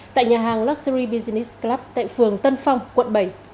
tại nhà hàng luxury business club tại phường tân phong quận bảy